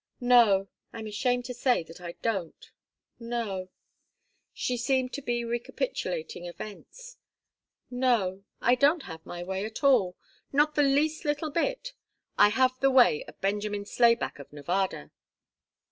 "No. I'm ashamed to say that I don't. No " She seemed to be recapitulating events. "No I don't have my way at all not the least little bit. I have the way of Benjamin Slayback of Nevada."